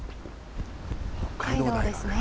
北海道ですね。